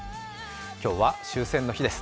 今日は終戦の日です。